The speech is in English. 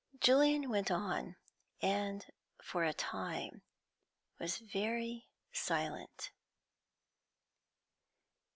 Julian went on, and for a time was very silent.